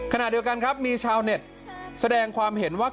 ขณะเดียวกันครับมีชาวเน็ตแสดงความเห็นว่า